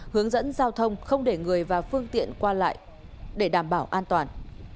hướng dẫn giao thông không để người và phương tiện qua lại để đảm bảo an toàn